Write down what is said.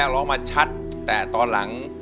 ร้องได้ให้ร้าง